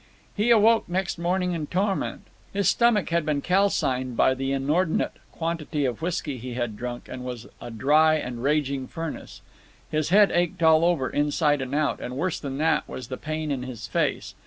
He awoke next morning in torment. His stomach had been calcined by the inordinate quantity of whisky he had drunk, and was a dry and raging furnace. His head ached all over, inside and out; and, worse than that, was the pain in his face.